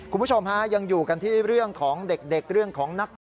คุณผู้ชมฮะยังอยู่กันที่เรื่องของเด็กเรื่องของนัก